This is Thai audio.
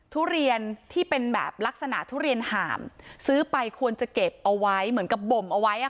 ทุเรียนที่เป็นแบบลักษณะทุเรียนห่ามซื้อไปควรจะเก็บเอาไว้เหมือนกับบ่มเอาไว้